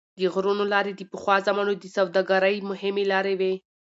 د غرونو لارې د پخوا زمانو د سوداګرۍ مهمې لارې وې.